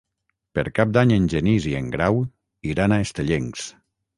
Per Cap d'Any en Genís i en Grau iran a Estellencs.